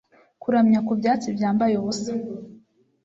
Kuramya ku byatsi byambaye ubusa